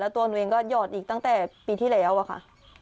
ตัวหนูเองก็หยอดอีกตั้งแต่ปีที่แล้วอะค่ะ